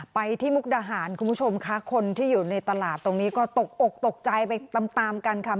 ไปที่มุกดาหารคุณผู้ชมค่ะคนที่อยู่ในตลาดตรงนี้ก็ตกอกตกใจไปตามตามกันค่ะ